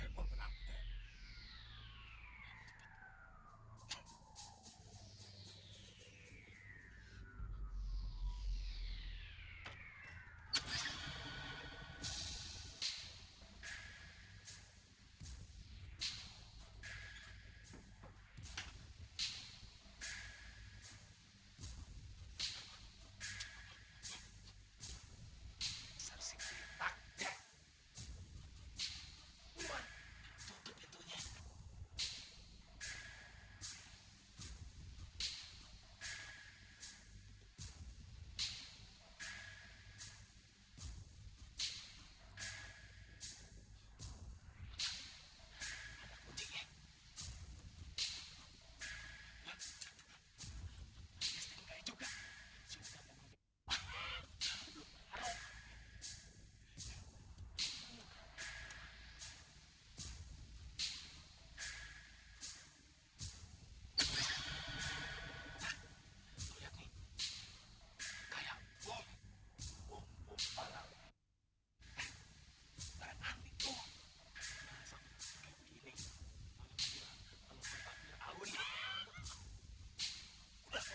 juga tuh syaratnya begitu tapi setimpal dengan timbal yang siapa kalau kagak disarankan